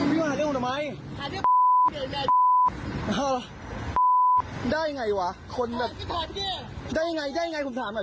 พี่มาหาเรื่องทำไมได้ไงวะคนแบบได้ไงผมถามหน่อยผมทำอะไรพี่